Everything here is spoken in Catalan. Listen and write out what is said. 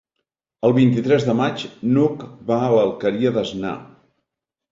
El vint-i-tres de maig n'Hug va a l'Alqueria d'Asnar.